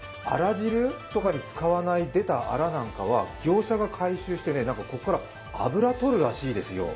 汁とかに使わない出たあらなんかは業者が回収して、ここから脂取るらしいですよ。